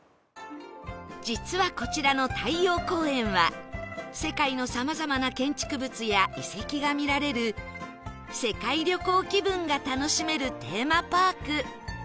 実はこちらの太陽公園は世界のさまざまな建築物や遺跡が見られる世界旅行気分が楽しめるテーマパーク